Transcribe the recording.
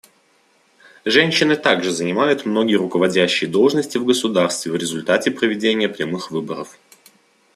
Женщины также занимают многие руководящие должности в государстве в результате проведения прямых выборов.